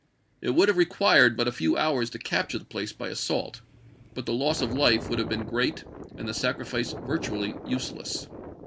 It would have required but a few hours to capture the place by assault, but the loss of life would have been great and the sac rifice virtually useless.